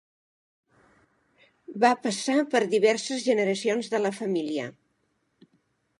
Va passar per diverses generacions de la família.